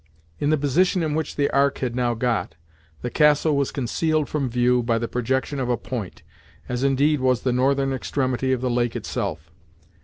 In the position in which the Ark had now got, the castle was concealed from view by the projection of a point, as indeed was the northern extremity of the lake itself.